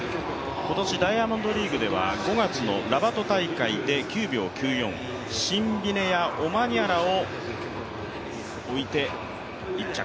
今年、ダイヤモンドリーグでは５月のラバト大会で９秒９４、シンビネやオマンヤラを抜いて１着。